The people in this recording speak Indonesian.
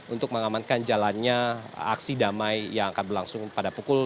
untuk mengamankan jalannya aksi damai yang akan berlangsung pada pukul